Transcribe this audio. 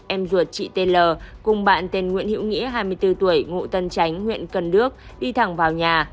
em ruột chị t l cùng bạn tên nguyễn hiễu nghĩa hai mươi bốn tuổi ngụ tân tránh huyện cần đước đi thẳng vào nhà